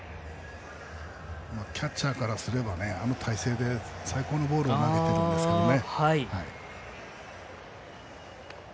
キャッチャーからすればあの体勢で最高のボールを投げているんですけどね。